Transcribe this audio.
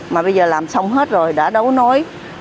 mà bây giờ làm xong hết rồi đã đấu nối